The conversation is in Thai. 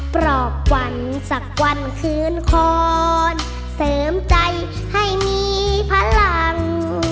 ปรอบวันสักวันคืนคอนเสริมใจให้มีพลัง